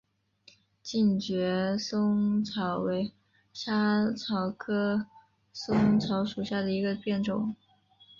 近蕨嵩草为莎草科嵩草属下的一个变种。